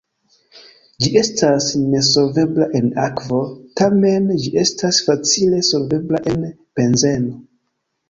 Ĝi estas nesolvebla en akvo, tamen ĝi estas facile solvebla en benzeno.